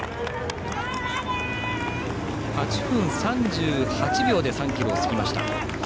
８分３８秒で３ｋｍを過ぎました。